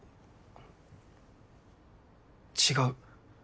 違う。